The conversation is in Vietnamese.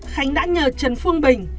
khánh đã nhờ trần phương bình